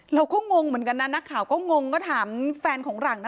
งงเหมือนกันนะนักข่าวก็งงก็ถามแฟนของหลังนะ